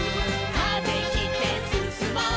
「風切ってすすもう」